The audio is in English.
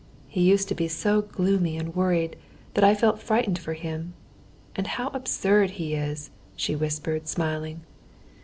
He used to be so gloomy and worried that I felt frightened for him. And how absurd he is!" she whispered, smiling.